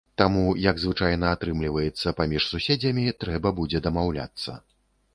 Таму, як звычайна атрымліваецца паміж суседзямі, трэба будзе дамаўляцца.